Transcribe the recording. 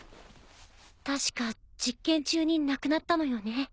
確か実験中に亡くなったのよね。